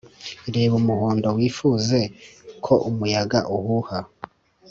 reba umuhondo, wifuze ko umuyaga uhuha